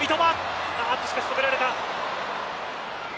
しかし止められた。